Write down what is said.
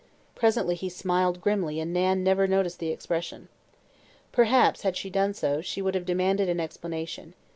Presently he smiled grimly and Nan never noticed the expression. Perhaps, had she done so, she would have demanded an explanation.